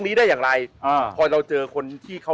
สารประกรรม